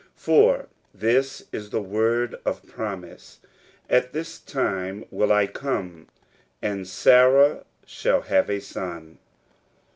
For this is the word t>f prom ise. At this time will I come, and Saiuh shall have a son."